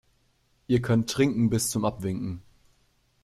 Ihr könnt trinken bis zum Abwinken.